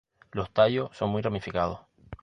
Los tallos son muy ramificados.